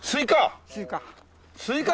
スイカ。